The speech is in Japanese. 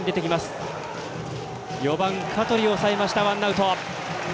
４番、香取を抑えましたワンアウト。